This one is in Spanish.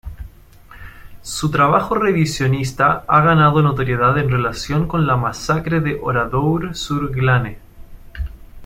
Su trabajo revisionista ha ganado notoriedad en relación con la masacre de Oradour-sur-Glane.